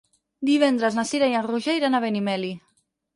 Divendres na Cira i en Roger iran a Benimeli.